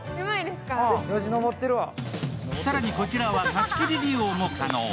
更に、こちらは貸し切り利用も可能。